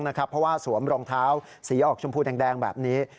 เพราะว่าสวมรองเท้าสีออกชมพูแดงแบบนี้